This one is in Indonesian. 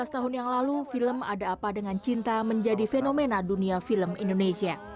lima belas tahun yang lalu film ada apa dengan cinta menjadi fenomena dunia film indonesia